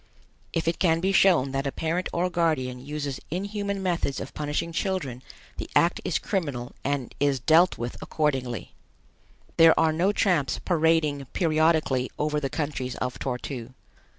If it can be shown that a parent or guardian uses inhuman methods of punishing children, the act is criminal and is dealt with accordingly. There are no tramps parading periodically over the countries of Tor tu.